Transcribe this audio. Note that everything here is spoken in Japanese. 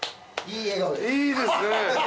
いいですね。